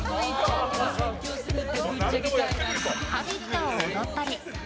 「Ｈａｂｉｔ」を踊ったり。